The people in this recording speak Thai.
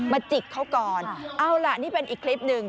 จิกเขาก่อนเอาล่ะนี่เป็นอีกคลิปหนึ่ง